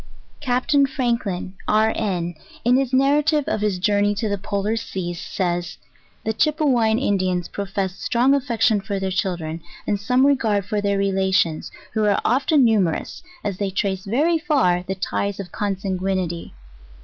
CAPTAIN FRANKLIN, (R. N.) in his narative of his jour ney to the Polar Seas, says, "The Chypewyan Indians pro fess strong affection for their children, and some regard for their relations, who are often numerous, as they trace very far the ties of consanguinity.